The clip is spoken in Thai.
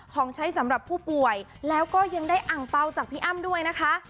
ของใช้สำหรับผู้ป่วยแล้วก็ยังได้อังเปล่าจากพี่อ้ำด้วยนะคะ